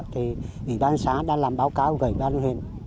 thì ủy ban xã đang làm báo cáo gửi ban huyện